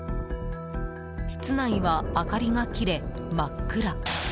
室内は明かりが切れ、真っ暗。